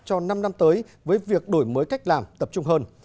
cho năm năm tới với việc đổi mới cách làm tập trung hơn